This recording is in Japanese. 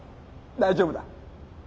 大丈夫だ。